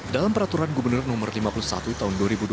dalam peraturan gubernur no lima puluh satu tahun dua ribu dua puluh